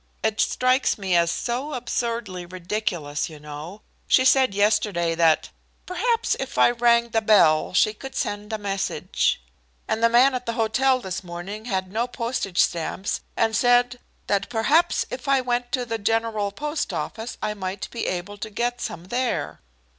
It strikes me as so absurdly ridiculous, you know. She said yesterday that 'perhaps, if I rang the bell, she could send a message.' And the man at the hotel this morning had no postage stamps, and said that perhaps if I went to the General Post Office I might be able to get some there."